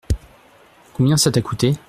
Combien ça t’a coûté ?